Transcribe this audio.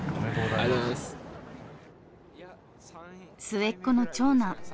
末っ子の長男。